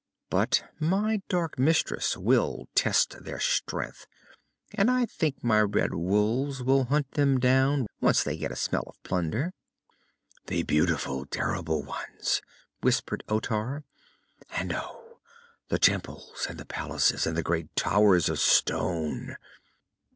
"But my dark mistress will test their strength and I think my red wolves will hunt them down, once they get a smell of plunder." "The beautiful, terrible ones," whispered Otar. "And oh, the temples and the palaces, and the great towers of stone!"